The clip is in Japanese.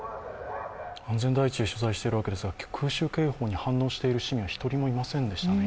安全第一で取材しているわけですが、空襲警報に反応している市民は１人もいませんでしたね。